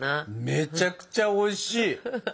めちゃくちゃおいしい！